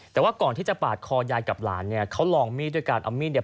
แต่ว่าก่อนที่จะปาดคอยายกับหลานเนี่ยเขาลองมีดด้วยการเอามีดเนี่ย